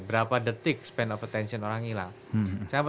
berapa detik span of attention orangnya